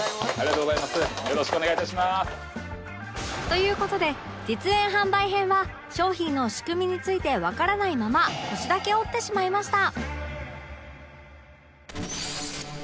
という事で実演販売編は商品の仕組みについてわからないまま腰だけ折ってしまいました